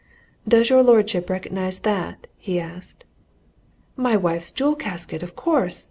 "Does your lordship recognize that?" he asked. "My wife's jewel casket, of course!"